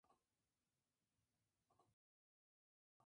El siguiente cladograma muestra la posición de según Sampson "et al.